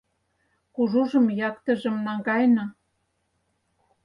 Кужужым яктыжым наҥгаена